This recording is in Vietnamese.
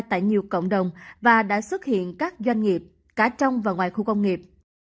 tại nhiều cộng đồng và đã xuất hiện các doanh nghiệp cả trong và ngoài khu công nghiệp